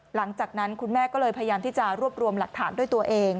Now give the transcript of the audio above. หลังจากนั้นคุณแม่ก็เลยพยายามที่จะรวบรวมหลักฐานด้วยตัวเอง